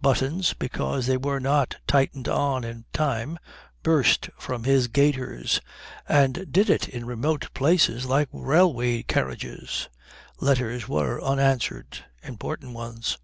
Buttons, because they were not tightened on in time, burst from his gaiters, and did it in remote places like railway carriages. Letters were unanswered, important ones.